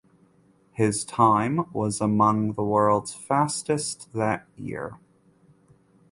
His time was among the world’s fastest that year.